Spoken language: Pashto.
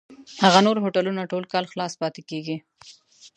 هغه نور هوټلونه ټول کال خلاص پاتېږي.